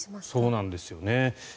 そうなんですよね。